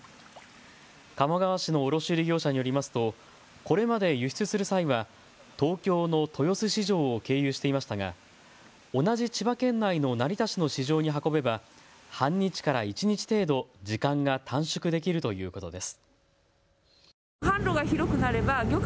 鴨川市の卸売業者によりますとこれまで輸出する際は東京の豊洲市場を経由していましたが同じ千葉県内の成田市の市場に運べば半日から一日程度、時間が短縮できるということです。